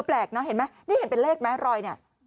นี่ค่ะปลกนะเห็นไหมนี่เห็นเป็นเลขไหมรอย